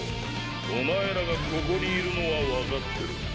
お前らがここにいるのは分かってる。